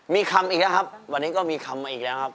มีคำอีกแล้วครับวันนี้ก็มีคำมาอีกแล้วครับ